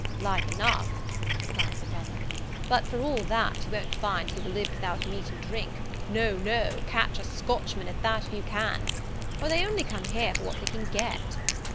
"Like enough," replied the brother; "but, for all that, you won't find he will live without meat and drink: no, no, catch a Scotchman at that if you can! why, they only come here for what they can get."